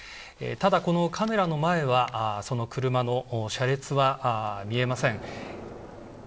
ただ、このカメラの前はその車の車列は見えません。